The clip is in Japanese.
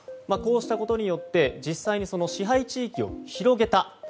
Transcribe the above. こうしたことによって実際に支配地域を広げた。